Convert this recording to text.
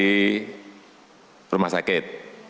ibu perawat di rumah sakit